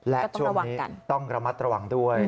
และช่วงนี้ต้องระมัดระวังด้วย